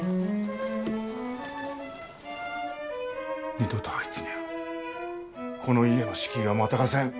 二度とあいつにゃあこの家の敷居はまたがせん。